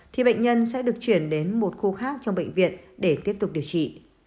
thì bệnh nhân sẽ được chuyển đến một khu khác trong bệnh viện để tiếp tục điều trị